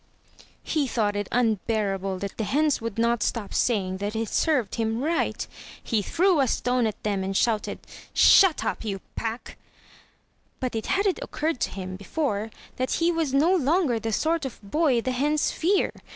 He thought it unbearable that the hens would not stop saying 416 THROUGH FAIRY HALLS that it served him right. He threw a stone at them and shouted, "Shut up, you pack!" But it hadn't occurred to him before that he was no longer the sort of boy the hens fear.